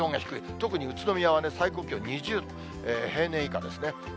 特に宇都宮は最高気温２０度、平年以下ですね。